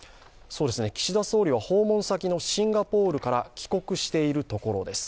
岸田総理は訪問先のシンガポールから帰国しているところです。